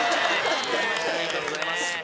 ありがとうございます